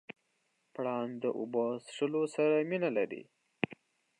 پړانګ د اوبو څښلو سره مینه لري.